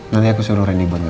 nanti aku suruh reni buat ntar ya